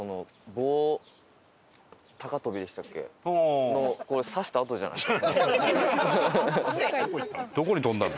棒高跳びでしたっけ？の刺したあとじゃないですか？